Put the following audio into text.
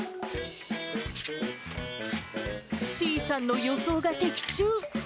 ｓｅａさんの予想が的中。